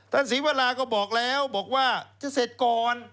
ศรีวราก็บอกแล้วบอกว่าจะเสร็จก่อน